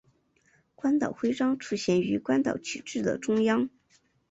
关岛徽章出现于关岛旗帜的中央。